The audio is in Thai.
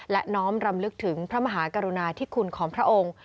และน้อมรำลึกถึงพระมหากรุณาธิคุณของพระองค์